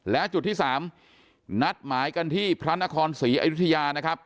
และจุดที่๓นัดหมายกันที่พระนครศรีอยุธยานะครับ